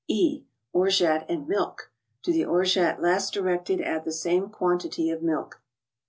E.— Orgeat and Milk : To the Orgeat last directed add the same quantity of milk.